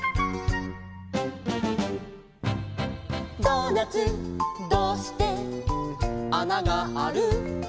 「ドーナツどうしてあながある？」